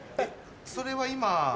それは今。